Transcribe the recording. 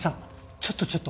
ちょっとちょっと。